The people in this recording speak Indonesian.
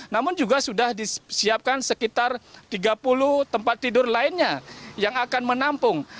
namun juga sudah disiapkan sekitar tiga puluh tempat tidur lainnya yang akan menampung